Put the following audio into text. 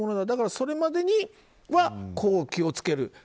だからそれまでにはこう気を付ける。